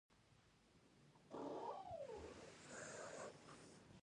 افغانستان له دغو دښتو پلوه متنوع دی.